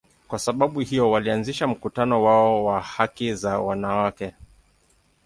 Kwa sababu hiyo, walianzisha mkutano wao wa haki za wanawake.